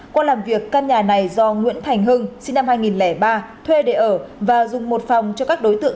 qua làm việc căn nhà này do nguyễn thành hưng sinh năm hai nghìn ba thuê để ở và dùng một phòng cho các đối tượng